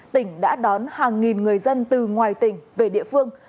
tỉnh đã đón hàng nghìn người dân từ ngoài tỉnh về địa phương